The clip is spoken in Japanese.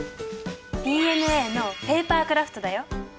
ＤＮＡのペーパークラフトだよ。